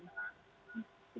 maka pada saat dituntukan